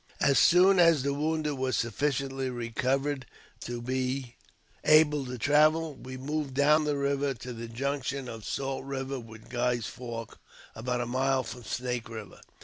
As soon as the wounded were sufficiently recovered to be able to travel, we moved down the river to the junction of Salt Kiver with Guy's Fork, about a mile from Snake Kiver.